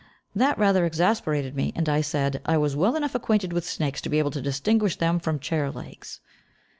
That rather exasperated me, and I said I was well enough acquainted with snakes to be able to distinguish them from chair legs.